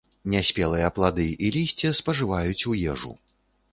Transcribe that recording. Няспелыя плады і лісце спажываць у ежу.